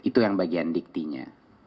itu yang bagian diktinya